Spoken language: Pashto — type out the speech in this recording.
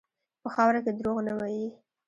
په خاوره کې دروغ نه وي.